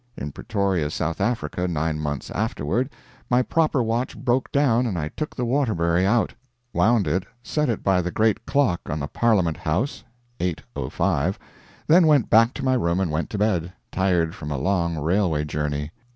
In Pretoria, South Africa, nine months afterward, my proper watch broke down and I took the Waterbury out, wound it, set it by the great clock on the Parliament House (8.05), then went back to my room and went to bed, tired from a long railway journey.